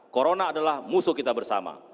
corona adalah musuh kita bersama